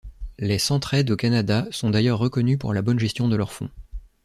Les Centraide au Canada sont d'ailleurs reconnus pour la bonne gestion de leur fonds.